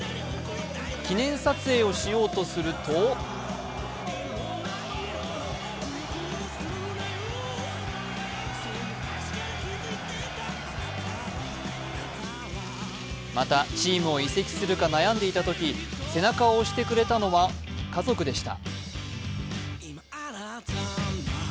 記念撮影をしようとするとまたチームを移籍するか悩んでいたとき背中を押してくれたのは家族でした。